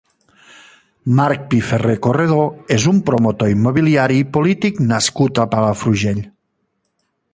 Marc Piferrer Corredor és un promotor immobiliari i polític nascut a Palafrugell.